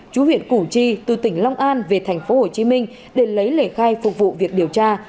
chú huyện củ chi từ tỉnh long an về tp hcm để lấy lời khai phục vụ việc điều tra